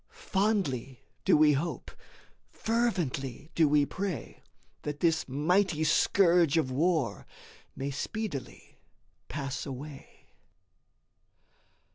Fondly do we hope fervently do we pray that this mighty scourge of war may speedily pass away.